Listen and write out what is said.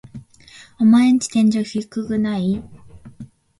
オマエんち天井低くない？